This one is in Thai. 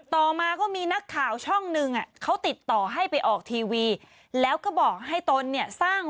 ต่อมาก็มีนักข่าวช่องหนึ่งอ่ะเขาติดต่อให้ไปออกทีวีแล้วก็บอกให้ตนเนี่ยสร้าง